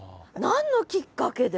何のきっかけで？